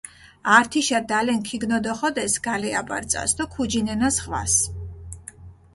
ართიშა დალენქ ქიგნოდოხოდეს გალე აბარწას დო ქუჯინენა ზღვას.